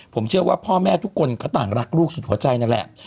ผมเชื่อว่าพ่อแม่ทุกคนก็ต่างรักลูกสุดหัวใจนั่นแหละ